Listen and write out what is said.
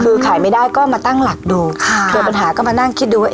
คือขายไม่ได้ก็มาตั้งหลักดูค่ะเกิดปัญหาก็มานั่งคิดดูว่า